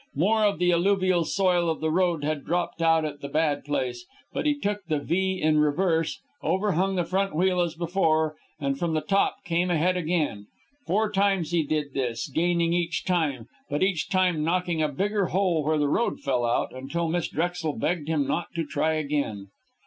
More of the alluvial soil of the road had dropped out at the bad place; but he took the V in reverse, overhung the front wheel as before, and from the top came ahead again. Four times he did this, gaining each time, but each time knocking a bigger hole where the road fell out, until Miss Drexel begged him not to try again.